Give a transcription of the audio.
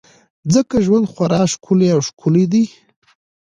ځکه ژوند خورا ښکلی او ښکلی دی.